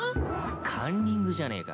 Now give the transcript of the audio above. カンニングじゃねえか。